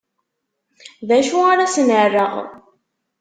D acu ara sen-rreɣ?